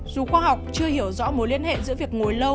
dù khoa học chưa hiểu rõ mối liên hệ giữa việc ngồi lâu